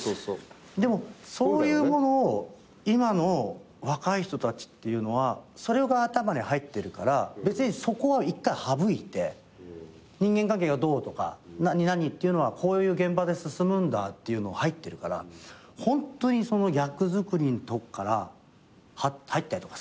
でもそういうものを今の若い人たちっていうのはそれが頭に入ってるからそこは一回省いて人間関係がどうとか何々っていうのはこういう現場で進むんだっていうの入ってるからホントに役作りのとこから入ったりとかするのね。